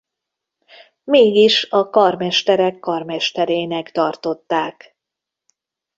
Mégis a karmesterek karmesterének tartották.